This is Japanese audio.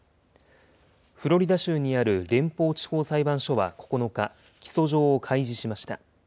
フロリダ州にある連邦地方裁判所は９日、起訴状を開示しました。